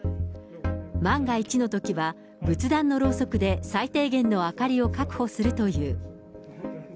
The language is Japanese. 万が一のときは、仏壇のろうそくで最低限の明かりを確保するという。